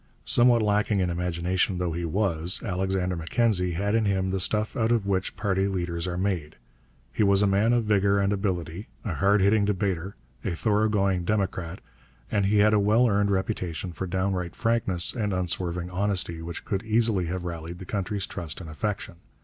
Somewhat lacking in imagination though he was, Alexander Mackenzie had in him the stuff out of which party leaders are made. He was a man of vigour and ability, a hard hitting debater, a thoroughgoing democrat, and he had a well earned reputation for downright frankness and unswerving honesty which could easily have rallied the country's trust and affection.